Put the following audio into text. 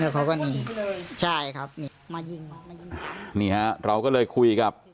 แล้วเขาก็หนีใช่ครับมายิงมายิงนี่ฮะเราก็เลยคุยกับ